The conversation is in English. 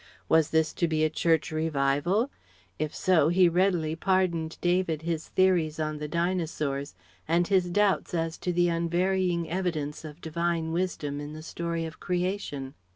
Was this to be a Church revival? If so, he readily pardoned David his theories on the Dinosaurs and his doubts as to the unvarying evidence of Divine Wisdom in the story of Creation.